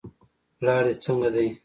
پلار دې څنګه دی.